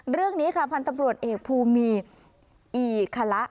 เรื่องนี้ค่ะพันธุ์ตำรวจเอกภูมีอีคละ